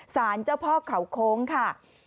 สารเจ้าพ่อเขาโค้งค่ะ